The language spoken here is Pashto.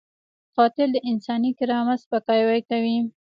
قاتل د انساني کرامت سپکاوی کوي